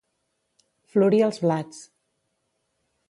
Florir els blats.